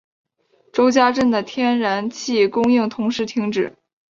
周家镇的天然气供应同时停止。